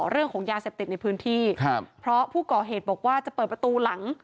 เรื่องของยาเสพติดในพื้นที่ครับเพราะผู้ก่อเหตุบอกว่าจะเปิดประตูหลัง